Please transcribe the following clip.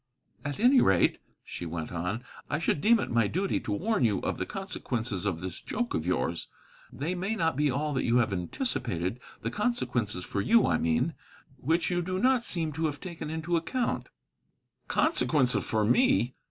"At any rate," she went on, "I should deem it my duty to warn you of the consequences of this joke of yours. They may not be all that you have anticipated. The consequences for you, I mean, which you do not seem to have taken into account." "Consequences for me!"